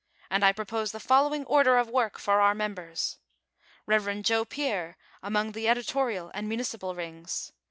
And I propose the following order of work for our members : "Rev. Joe Pier, among the Editorial and Municipal Rings.